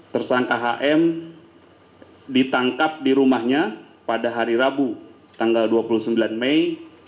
tersangka hm ditangkap di rumahnya pada hari rabu tanggal dua puluh sembilan mei dua ribu sembilan belas